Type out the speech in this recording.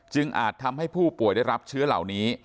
อาจทำให้ผู้ป่วยได้รับเชื้อเหล่านี้